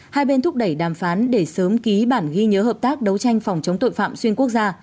hai bên thúc đẩy đàm phán để sớm ký bản ghi nhớ hợp tác đấu tranh phòng chống tội phạm xuyên quốc gia